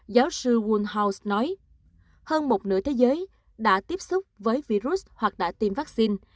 giáo sư woonhouse nói hơn một nửa thế giới đã tiếp xúc với virus hoặc đã tiêm vaccine